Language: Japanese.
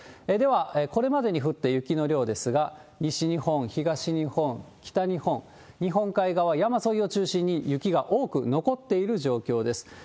では、これまでに降った雪の量ですが、西日本、東日本、北日本、日本海側、山沿いを中心に雪が多く残っている状況です。